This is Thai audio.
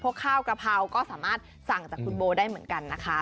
ข้าวกระเพราก็สามารถสั่งจากคุณโบได้เหมือนกันนะคะ